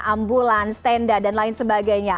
ambulan standar dan lain sebagainya